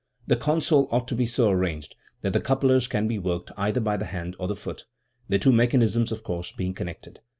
The console ought to be so arranged that the couplers can be worked either by the hand or the foot, the two mechanisms, of course, being connected.